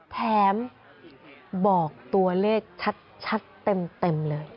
แถมบอกตัวเลขชัดเต็มเลย